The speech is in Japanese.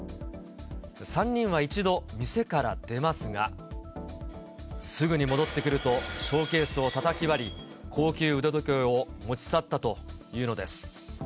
３人は一度、店から出ますが、すぐに戻ってくると、ショーケースをたたき割り、高級腕時計を持ち去ったというのです。